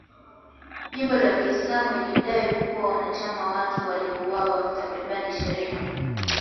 Jimbo la Kiislamu ilidai kuwa wanachama wake waliwauwa takribani ishirini